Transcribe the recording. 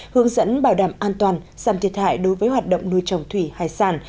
hướng dẫn bảo đảm an toàn giảm thiệt hại đối với hoạt động nuôi trồng thủy hải sản